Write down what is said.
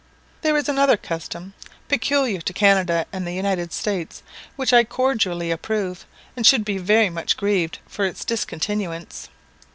There is another custom, peculiar to Canada and the United States, which I cordially approve, and should be very much grieved for its discontinuance.